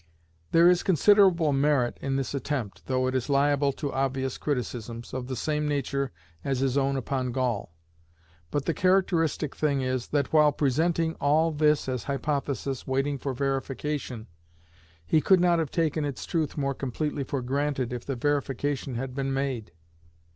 There is considerable merit in this attempt, though it is liable to obvious criticisms, of the same nature as his own upon Gall. But the characteristic thing is, that while presenting all this as hypothesis waiting for verification, he could not have taken its truth more completely for granted if the verification had been made.